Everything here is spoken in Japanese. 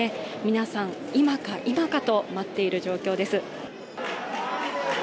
皆さん、今か今かと待っている状況です。